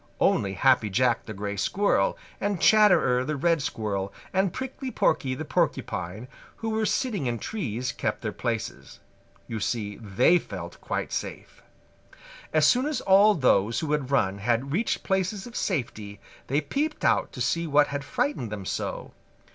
Only Happy Jack the Gray Squirrel and Chatterer the Red Squirrel and Prickly Porky the Porcupine, who were sitting in trees, kept their places. You see they felt quite safe. As soon as all those who had run had reached places of safety, they peeped out to see what had frightened them so.